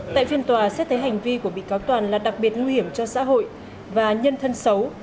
tại phiên tòa xét thấy hành vi của bị cáo toàn là đặc biệt nguy hiểm cho xã hội và nhân thân xấu